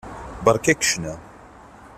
Beṛka-k ccna.